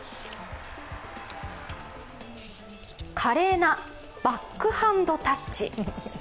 華麗なバックハンドタッチ。